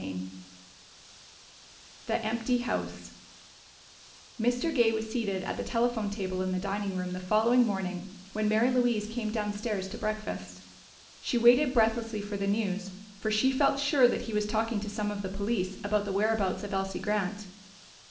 CHAPTER XVII The Empty House Mr. Gay was seated at the telephone table in the dining room the following morning when Mary Louise came downstairs to breakfast. She waited breathlessly for the news, for she felt sure that he was talking to some of the police about the whereabouts of Elsie Grant.